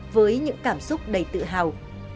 với những cảm xúc đầy tự hào